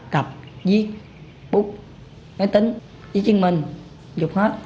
đập giết bút máy tính giết chứng minh rụt hết